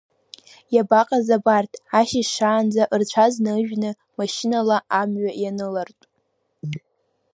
Иабаҟаз абарҭ, ашьыжь шаанӡа рцәа азна ыжәны, машьынала амҩа ианылартә?